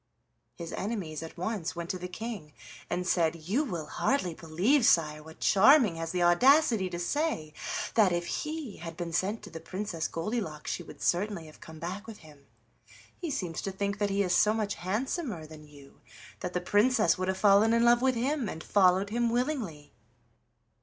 His enemies at once went to the King and said: "You will hardly believe, sire, what Charming has the audacity to say that if he had been sent to the Princess Goldilocks she would certainly have come back with him. He seems to think that he is so much handsomer than you that the Princess would have fallen in love with him and followed him willingly."